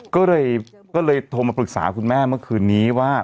ก็เลยโทรมาปรึกษาคุณแม่เมื่อคืนนี้ว่า